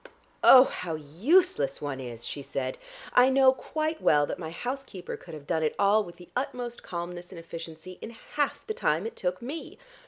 "Oh, how useless one is!" she said. "I know quite well that my housekeeper could have done it all with the utmost calmness and efficiency in half the time it took me.